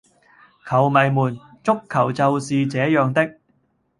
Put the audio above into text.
球迷們,足球就是這樣的